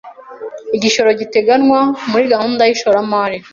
Igishoro giteganywa muri gahunda y ishoramari